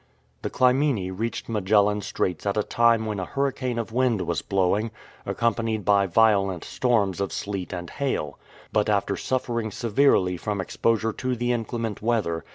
The Clymene reached Magellan Straits at a time when a hurricane of wind was blowing, accompanied by violent storms of sleet and hail ; but after suffering severely from exposure to the inclement weather.